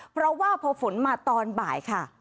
เพราะว่าพอฝนมาตอนบ่ายค่ะ